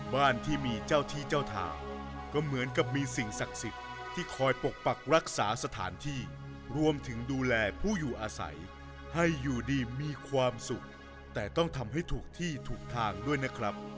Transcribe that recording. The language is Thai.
บ้านที่มีเจ้าที่เจ้าทางก็เหมือนกับมีสิ่งศักดิ์สิทธิ์ที่คอยปกปักรักษาสถานที่รวมถึงดูแลผู้อยู่อาศัยให้อยู่ดีมีความสุขแต่ต้องทำให้ถูกที่ถูกทางด้วยนะครับ